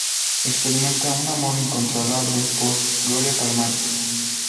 Experimenta un amor incontrolable por Gloria Palomares.